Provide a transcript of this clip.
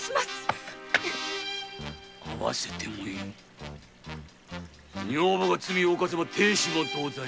会わせてもいいが女房が罪を犯せば亭主も同罪。